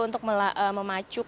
untuk memacu ke